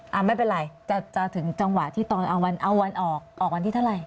อ๊าอ้าไม่เป็นไรจะถึงจังหวะที่ตอนเอาออกวันที่เท่าไหร่